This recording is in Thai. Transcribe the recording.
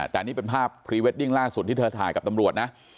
แต่นี่เป็นภาพพรีเวดดิ้งล่าสุดที่เธอถ่ายกับตำรวจนะ